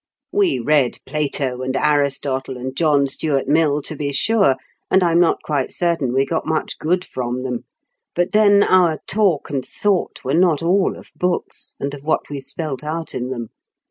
We read Plato, and Aristotle, and John Stuart Mill, to be sure—and I'm not quite certain we got much good from them; but then our talk and thought were not all of books, and of what we spelt out in them.